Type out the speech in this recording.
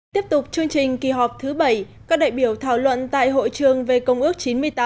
tiếp tục chương trình kỳ họp thứ bảy các đại biểu thảo luận tại hội trường về công ước chín mươi tám